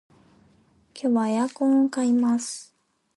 今日はエイコンを買います